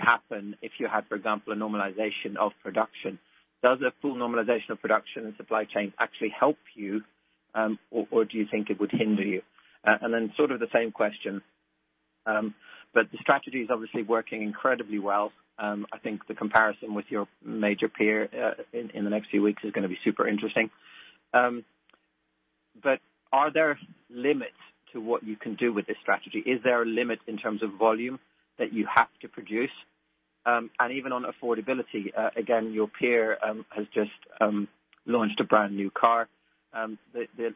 happen if you had, for example, a normalization of production? Does a full normalization of production and supply chain actually help you, or do you think it would hinder you? And then sort of the same question, but the strategy is obviously working incredibly well. I think the comparison with your major peer in the next few weeks is gonna be super interesting. Are there limits to what you can do with this strategy? Is there a limit in terms of volume that you have to produce? Even on affordability, again, your peer has just launched a brand-new car. The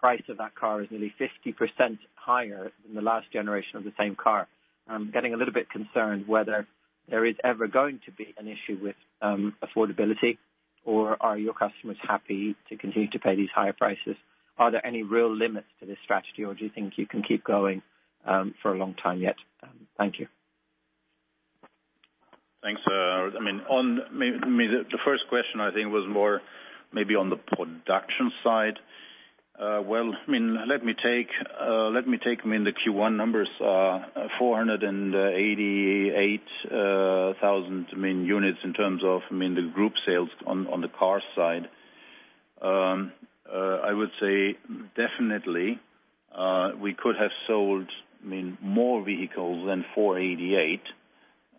price of that car is nearly 50% higher than the last generation of the same car. I'm getting a little bit concerned whether there is ever going to be an issue with affordability, or are your customers happy to continue to pay these higher prices? Are there any real limits to this strategy, or do you think you can keep going for a long time yet? Thank you. Thanks. Maybe the first question I think was more on the production side. Well, let me take the Q1 numbers, 488,000 units in terms of the group sales on the car side. I would say definitely we could have sold more vehicles than 488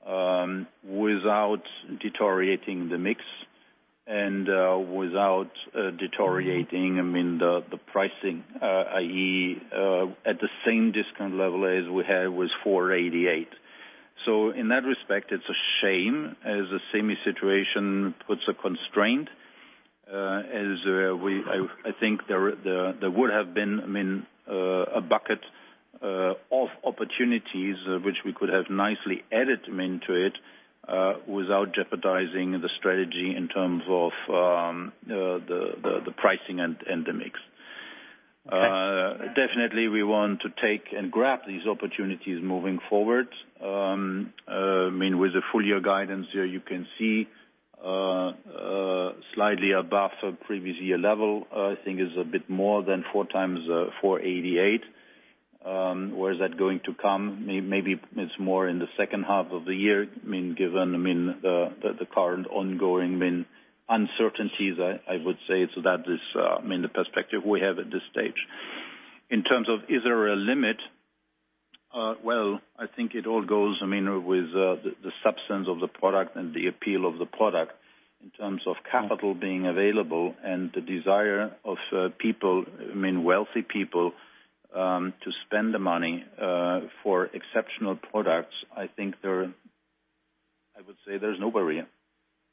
without deteriorating the mix and without deteriorating the pricing, i.e., at the same discount level as we had with 488. In that respect, it's a shame as the same situation puts a constraint as I think there would have been, I mean, a bucket of opportunities which we could have nicely added, I mean, to it without jeopardizing the strategy in terms of the pricing and the mix. Definitely we want to take and grab these opportunities moving forward. I mean, with the full year guidance here you can see slightly above the previous year level. I think it's a bit more than 4x 488. Where is that going to come? Maybe it's more in the second half of the year. I mean, given the current ongoing uncertainties, I would say. That is, I mean, the perspective we have at this stage. In terms of, is there a limit? Well, I think it all goes, I mean, with the substance of the product and the appeal of the product in terms of capital being available and the desire of people, I mean, wealthy people, to spend the money for exceptional products. I would say there's no barrier.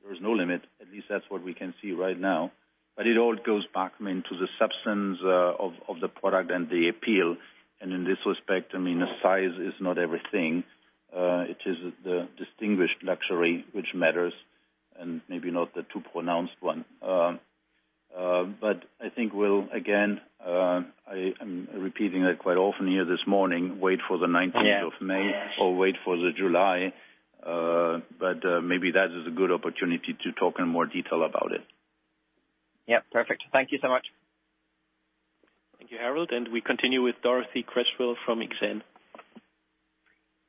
There is no limit. At least that's what we can see right now. It all goes back, I mean, to the substance of the product and the appeal. In this respect, I mean, the size is not everything. It is the distinguished luxury which matters and maybe not the too pronounced one. I think we'll again, I am repeating that quite often here this morning. Wait for the 19th- Yeah. of May or wait for the July. Maybe that is a good opportunity to talk in more detail about it. Yeah. Perfect. Thank you so much. Thank you, Harald. We continue with Dorothee Cresswell from Exane.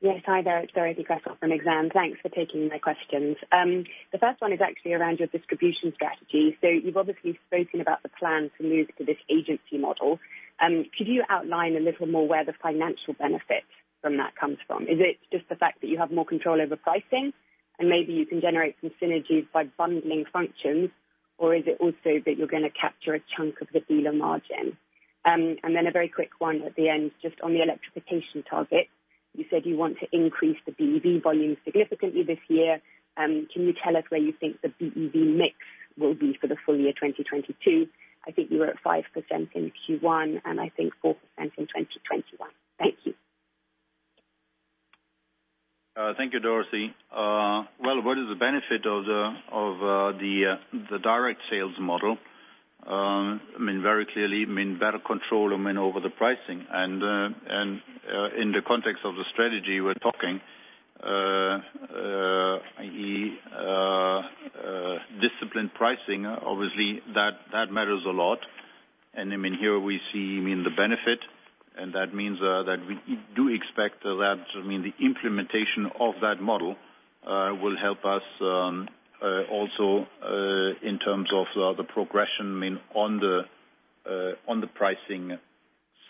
Yes. Hi there. It's Dorothee Cresswell from Exane. Thanks for taking my questions. The first one is actually around your distribution strategy. You've obviously spoken about the plan to move to this agency model. Could you outline a little more where the financial benefit from that comes from? Is it just the fact that you have more control over pricing and maybe you can generate some synergies by bundling functions, or is it also that you're gonna capture a chunk of the dealer margin? Then a very quick one at the end, just on the electrification target. You said you want to increase the BEV volume significantly this year. Can you tell us where you think the BEV mix will be for the full year 2022? I think you were at 5% in Q1, and I think 4% in 2021. Thank you. Thank you, Dorothee. Well, what is the benefit of the direct sales model? I mean, very clearly, better control over the pricing. In the context of the strategy we're talking, disciplined pricing, obviously that matters a lot. I mean, here we see the benefit, and that means that we do expect that the implementation of that model will help us also in terms of the progression on the pricing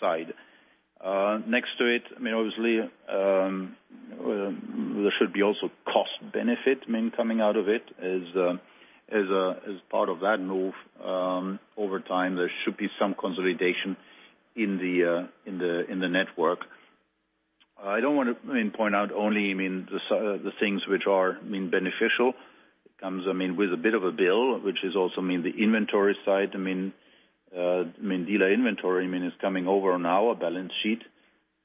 side. Next to it, I mean, obviously, there should be also cost benefit coming out of it. As part of that move, over time, there should be some consolidation in the network. I don't want to, I mean, point out only, I mean, the things which are, I mean, beneficial. It comes, I mean, with a bit of a bill, which is also, I mean, the inventory side. I mean, dealer inventory, I mean, is coming over on our balance sheet.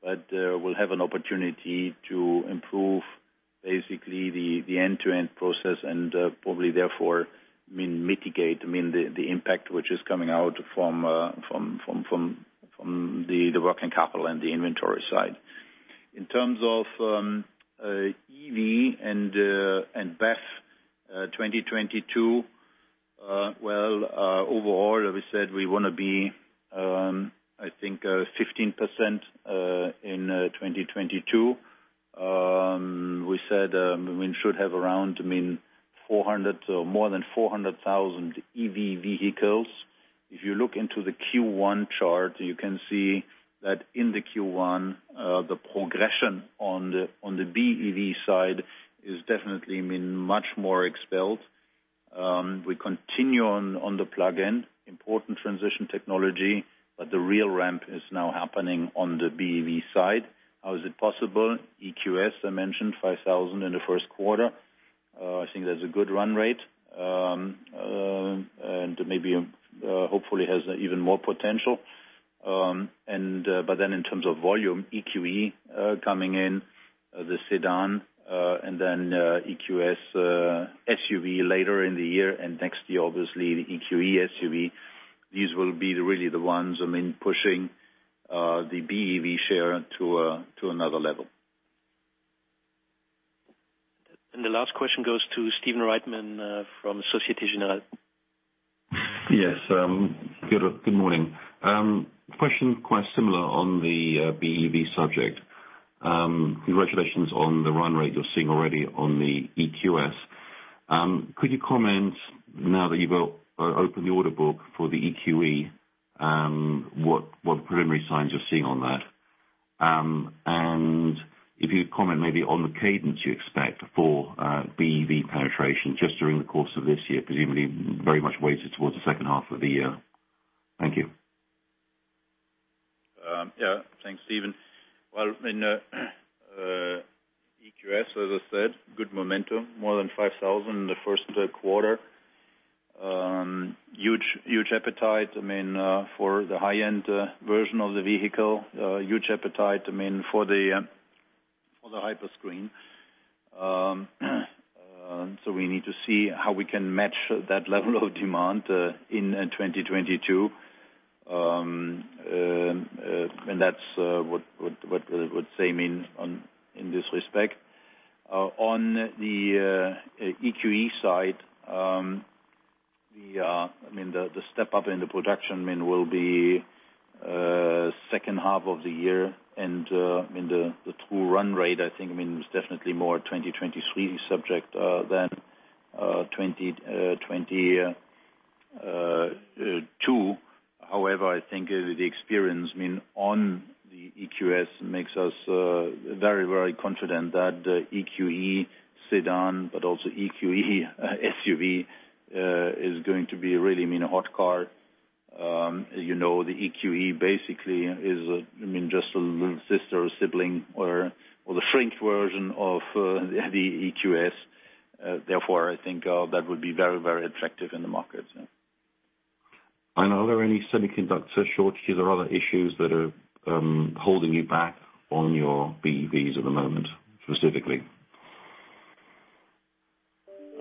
We'll have an opportunity to improve basically the end-to-end process and probably therefore, I mean, mitigate, I mean, the impact which is coming out from the working capital and the inventory side. In terms of EV and BEV, 2022, well, overall, as we said, we wanna be, I think, 15%, in 2022. We said, I mean, should have around, I mean, more than 400,000 EV vehicles. If you look into the Q1 chart, you can see that in the Q1, the progression on the BEV side is definitely, I mean, much more accelerated. We continue on the plug-in, important transition technology, but the real ramp is now happening on the BEV side. How is it possible? EQS, I mentioned 5,000 in the first quarter. I think that's a good run rate, and maybe hopefully has even more potential. In terms of volume, EQE coming in, the sedan, and then EQS SUV later in the year, and next year obviously the EQE SUV. These will be the real ones, I mean, pushing the BEV share to another level. The last question goes to Stephen Reitman from Société Générale. Yes. Good morning. Question quite similar on the BEV subject. Congratulations on the run rate you're seeing already on the EQS. Could you comment now that you've opened the order book for the EQE, what preliminary signs you're seeing on that? Could you comment maybe on the cadence you expect for BEV penetration just during the course of this year, presumably very much weighted towards the second half of the year. Thank you. Yeah. Thanks, Stephen. Well, in EQS, as I said, good momentum, more than 5,000 in the first quarter. Huge appetite, I mean, for the high-end version of the vehicle. Huge appetite, I mean, for the Hyperscreen. So we need to see how we can match that level of demand in 2022. That's what we would say mean on in this respect. On the EQE side, I mean, the step up in the production, I mean, will be second half of the year. I mean, the true run rate, I think, I mean, is definitely more 2023 subject than 2022. However, I think the experience, I mean, on the EQS makes us very, very confident that EQE sedan, but also EQE SUV, is going to be really, I mean, a hot car. You know, the EQE basically is a, I mean, just a little sister or sibling or the shrink version of the EQS. Therefore, I think that would be very, very attractive in the market, yeah. Are there any semiconductor shortages or other issues that are holding you back on your BEVs at the moment, specifically?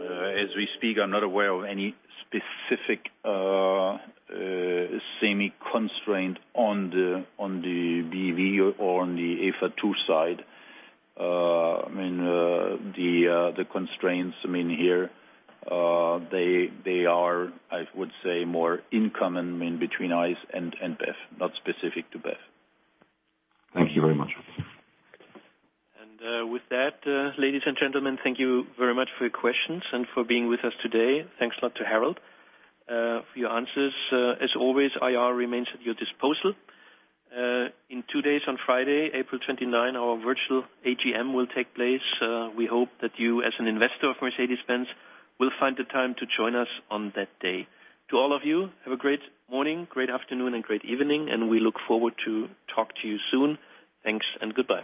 As we speak, I'm not aware of any specific supply constraint on the BEV or on the EVA2 side. I mean, the constraints, I mean, here, they are, I would say more in common, I mean, between ICE and BEV, not specific to BEV. Thank you very much. With that, ladies and gentlemen, thank you very much for your questions and for being with us today. Thanks a lot to Harald for your answers. As always, IR remains at your disposal. In two days on Friday, April 29, our virtual AGM will take place. We hope that you, as an investor of Mercedes-Benz, will find the time to join us on that day. To all of you, have a great morning, great afternoon, and great evening, and we look forward to talk to you soon. Thanks and goodbye.